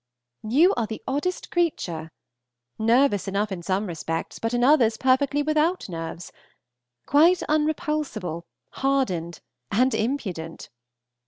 You are the oddest creature! Nervous enough in some respects, but in others perfectly without nerves! Quite unrepulsable, hardened, and impudent.